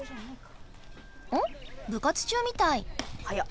おっ部活中みたい。